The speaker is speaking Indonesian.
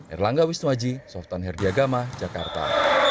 erlangga wisnuaji softan herdiagama jakarta